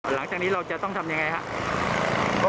หลังจากนี้เราจะต้องทำยังไงครับ